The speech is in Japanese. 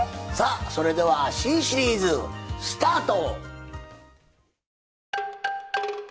それでは新シリーズ、スタート。